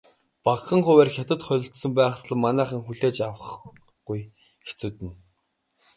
Багахан хувиар Хятад холилдсон байхад л манайхан хүлээж авахгүй хэцүүднэ.